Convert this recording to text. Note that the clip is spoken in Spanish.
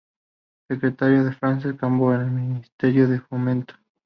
Secretario de Francesc Cambó en el Ministerio de Fomento.